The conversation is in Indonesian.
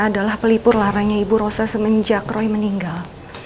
adalah pelipur laranya ibu rosa semenjak roy meninggal